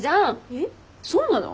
えっそうなの？